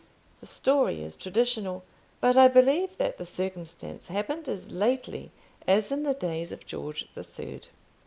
The story is traditional; but I believe that the circumstance happened as lately as in the days of George the Third.